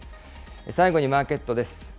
最後にマーケットです。